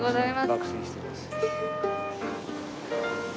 爆睡してます。